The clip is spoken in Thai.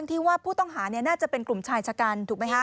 ที่ว่าผู้ต้องหาน่าจะเป็นกลุ่มชายชะกันถูกไหมคะ